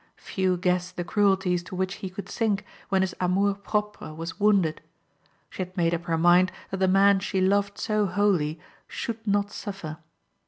Few guessed the cruelties to which he could sink when his amour propre was wounded. She had made up her mind that the man she loved so wholly should not suffer.